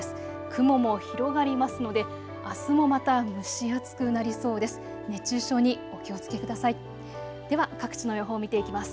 雲も広がりますのであすもまた蒸し暑くなりそうです。